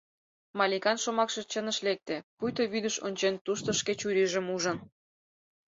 Маликан шомакше чыныш лекте, пуйто вӱдыш ончен, тушто шке чурийжым ужын.